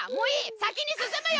さきにすすむよ。